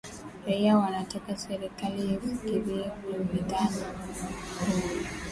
raia wanataka serikali ifikirie kupunguza kodi katika bidhaa zinazotokana na petroli na kudhibiti bei za rejareja